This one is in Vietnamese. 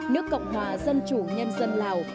nước cộng hòa dân chủ nhân dân lào